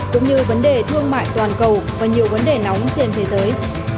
cũng như vấn đề thương mại toàn cầu và nhiều vấn đề nóng trên thế giới